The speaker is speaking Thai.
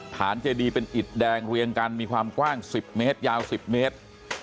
ฐานเจดีเป็นอิดแดงเรียงกันมีความกว้าง๑๐เมตรยาว๑๐เมตร